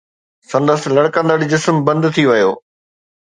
سندس لڙڪندڙ جسم بند ٿي ويو